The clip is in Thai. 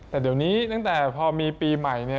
แต่เดี๋ยวนี้ตั้งแต่พอมีปีใหม่เนี่ย